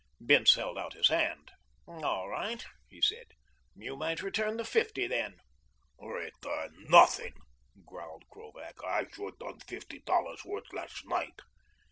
Bince held out his hand. "All right," he said, "you might return the fifty then." "Return nothin'," growled Krovac. "I sure done fifty dollars' worth last night."